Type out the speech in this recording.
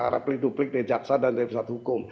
replik duplik dari jaksa dan dari pusat hukum